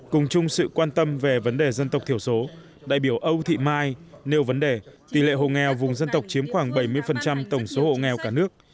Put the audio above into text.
cùng chung sự quan tâm về vấn đề dân tộc thiểu số đại biểu âu thị mai nêu vấn đề tỷ lệ hộ nghèo vùng dân tộc chiếm khoảng bảy mươi tổng số hộ nghèo cả nước